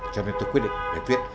cho nên tôi quyết định để viết